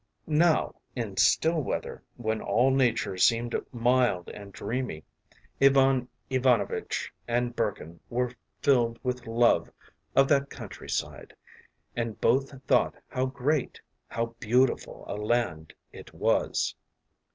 Now, in still weather, when all nature seemed mild and dreamy, Ivan Ivanovitch and Burkin were filled with love of that countryside, and both thought how great, how beautiful a land it was.